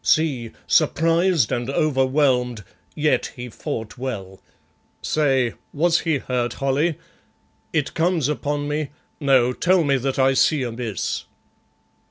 "See, surprised and overwhelmed, yet he fought well. Say! was he hurt, Holly? It comes upon me no, tell me that I see amiss."